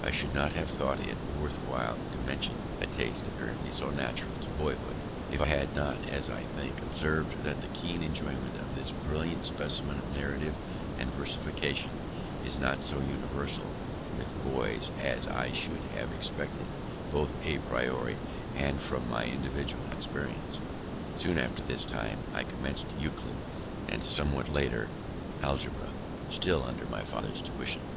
I should not have thought it worth while to mention a taste apparently so natural to boyhood, if I had not, as I think, observed that the keen enjoyment of this brilliant specimen of narrative and versification is not so universal with boys, as I should have expected both a priori and from my individual experience. Soon after this time I commenced Euclid, and somewhat later, Algebra, still under my father's tuition.